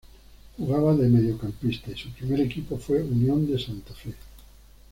Jugaba de mediocampista y su primer equipo fue Unión de Santa Fe.